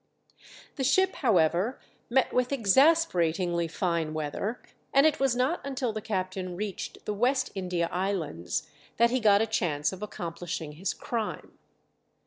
The ship, however, met with exasperatingly fine weather, and it was not until the captain reached the West India Islands that he got a chance of accomplishing his crime.